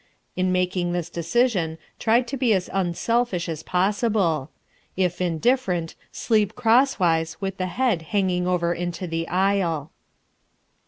In making this decision try to be as unselfish as possible. If indifferent, sleep crosswise with the head hanging over into the aisle.